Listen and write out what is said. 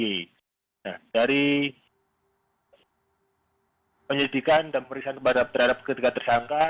nah dari penyelidikan dan pemeriksaan terhadap ketiga tersangka